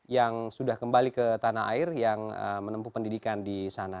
yang sudah kembali ke tanah air yang menempuh pendidikan di sana